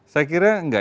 saya kira enggak